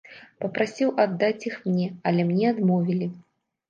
Папрасіў аддаць іх мне, але мне адмовілі.